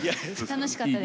楽しかった。